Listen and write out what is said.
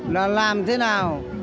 là làm thế nào